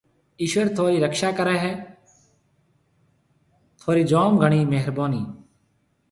ايشوَر ٿُونرِي رڪشا ڪريَ۔ ٿُونرِي جوم گھڻِي مهربونِي۔